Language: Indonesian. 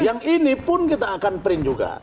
yang ini pun kita akan print juga